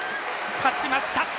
勝ちました！